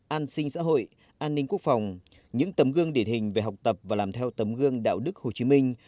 an sinh xã hội an ninh quốc phòng những tấm gương điển hình về học tập và làm theo tấm gương đạo đức hồ chí minh